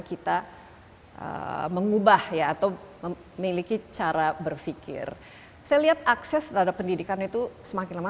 kita mengubah ya atau memiliki cara berpikir saya lihat akses terhadap pendidikan itu semakin lama